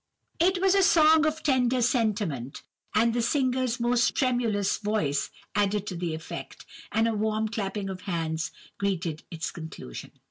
"It was a song of tender sentiment, and the singer's almost tremulous voice added to the effect, and a warm clapping of hands greeted its conclusion.